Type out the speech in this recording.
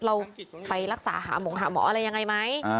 เราไปรักษาหาหมงหาหมออะไรยังไงไหม